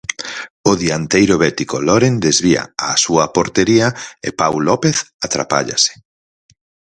O dianteiro bético Loren desvía á súa portería e Pau López atrapállase.